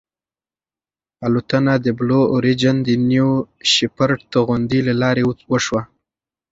الوتنه د بلو اوریجن د نیو شیپرډ توغندي له لارې وشوه.